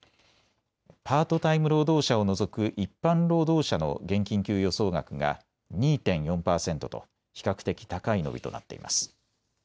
パートタイム労働者を除く一般労働者の現金給与総額が２．４％と比較的高い伸びとなっています。